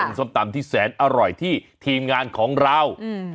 เป็นส้มตำที่แสนอร่อยที่ทีมงานของเราอืม